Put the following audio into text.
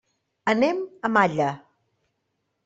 Anem a Malla.